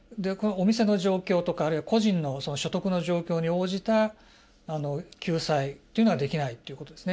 お店の状況とか個人の所得の状況に応じた救済というのができないということですね。